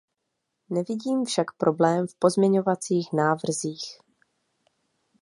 Nevidím však problém v pozměňovacích návrzích.